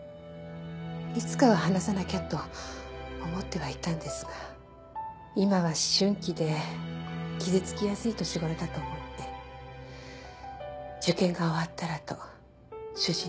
いつかは話さなきゃと思ってはいたんですが今は思春期で傷つきやすい年頃だと思って受験が終わったらと主人とも。